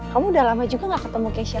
kamu udah lama juga gak ketemu kesha